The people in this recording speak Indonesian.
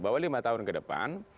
bahwa lima tahun ke depan